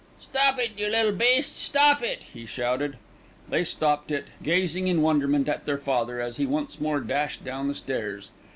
"Stop it, you little beasts! Stop it!" he shouted. They stopped it, gazing in wonderment at their father as he once more dashed down the stairs.